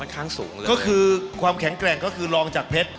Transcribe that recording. ก็คือความแข็งแกร่งก็คือรองจากเพชร